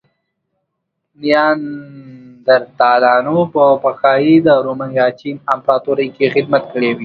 نیاندرتالانو به ښايي د روم یا چین امپراتورۍ کې خدمت کړی وی.